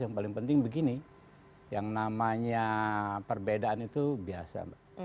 yang paling penting begini yang namanya perbedaan itu biasa